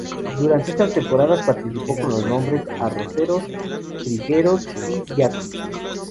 Durante esas temporadas participo con los nombres de "Arroceros", "Trigueros" y "Yaquis".